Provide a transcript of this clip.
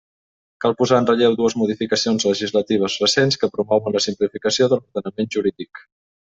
Cal posar en relleu dues modificacions legislatives recents que promouen la simplificació de l'ordenament jurídic.